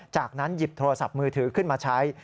จากนั้นหยิบโทรศัพท์มือถือขึ้นมาใช้